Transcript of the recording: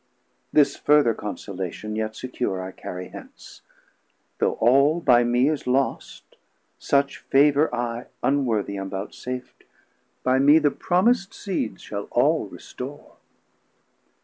This further consolation yet secure I carry hence; though all by mee is lost, 620 Such favour I unworthie am voutsaft, By mee the Promis'd Seed shall all restore.